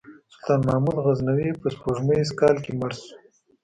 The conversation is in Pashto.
سلطان محمود غزنوي په سپوږمیز کال کې مړ شو.